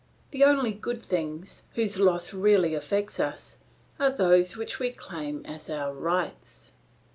The only good things, whose loss really affects us, are those which we claim as our rights.